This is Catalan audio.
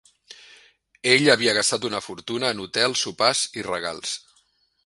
Ell havia gastat una fortuna en hotels, sopars i regals.